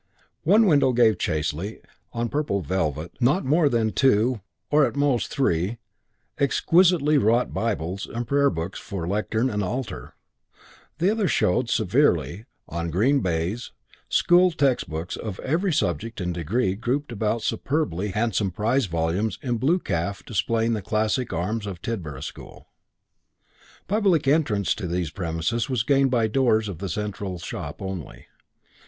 One window gave chastely, on purple velvet, not more than two or at most three exquisitely wrought Bibles and prayer books for lectern and altar; the other showed severely, on green baize, school textbooks of every subject and degree grouped about superbly handsome prize volumes in blue calf displaying the classic arms of Tidborough School. Public entrance to these premises was gained by doors of the central shop only.